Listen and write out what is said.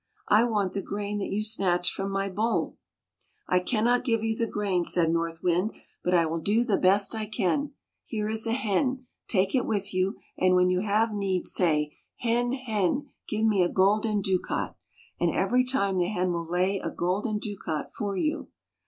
I want the grain that you snatched from my bowl.'' " I cannot give you the grain," said North Wind, " but I will do the best I can. Here is a hen. Take it with you, and when you have need, say, ' Hen, hen, give me a golden ducat.' And every time, the hen will lay a golden ducat for you."